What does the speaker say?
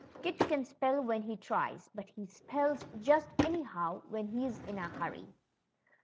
Kit can spell Avhen he tries, but he spells just anyhow Avhen he's in a hurry.